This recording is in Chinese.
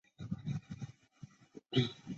楼邦彦人。